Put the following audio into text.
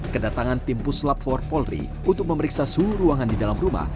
kedatangan tim puslap empat polri untuk memeriksa suhu ruangan di dalam rumah